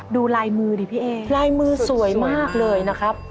ดูลายมือดิพี่เอลายมือสวยมากเลยนะครับ